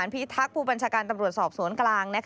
พิทักษ์พวงศาจกรรมดรสอบสวนกลาง